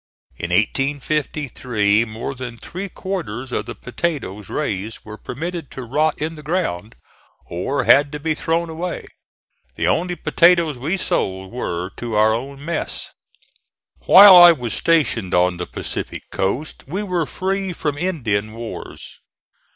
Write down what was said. In 1853 more than three quarters of the potatoes raised were permitted to rot in the ground, or had to be thrown away. The only potatoes we sold were to our own mess. While I was stationed on the Pacific coast we were free from Indian wars.